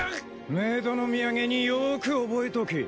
冥土の土産によく覚えとけ。